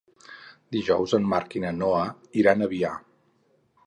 Dijous en Marc i na Noa iran a Biar.